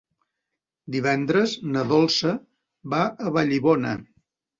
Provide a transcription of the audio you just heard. Divendres na Dolça va a Vallibona.